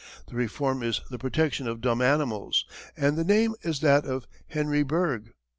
The reform is the protection of dumb animals, and the name is that of Henry Bergh.